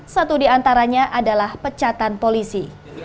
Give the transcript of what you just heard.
satu diantaranya adalah pecatan polisi